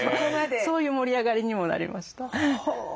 そういう盛り上がりにもなりました。